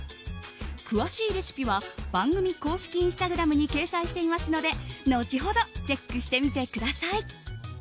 詳しいレシピは番組公式インスタグラムに掲載していますので、後ほどチェックしてみてください。